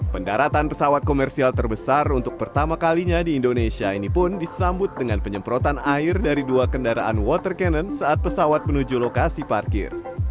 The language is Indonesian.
pendaratan pesawat komersial terbesar untuk pertama kalinya di indonesia ini pun disambut dengan penyemprotan air dari dua kendaraan water cannon saat pesawat menuju lokasi parkir